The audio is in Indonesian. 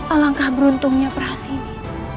alangkah beruntungnya perhas ini